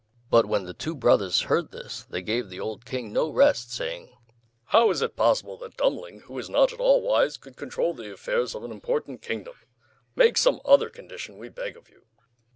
But when the two brothers heard this, they gave the old King no rest, saying "How is it possible that Dummling, who is not at all wise, could control the affairs of an important kingdom? Make some other condition, we beg of you!"